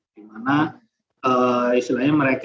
di mana istilahnya mereka